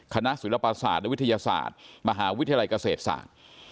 คณะศิลปศาสตร์และวิทยาศาสตร์มหาวิทยาลัยเกษตรศาสตร์